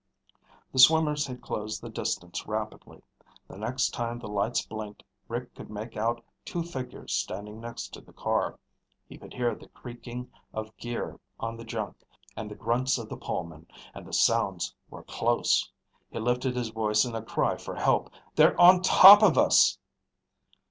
The swimmers had closed the distance rapidly. The next time the lights blinked Rick could make out two figures standing next to the car. He could hear the creaking of gear on the junk and the grunts of the polemen, and the sounds were close! He lifted his voice in a cry for help. "They're on top of us!"